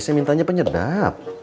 saya mintanya penyedap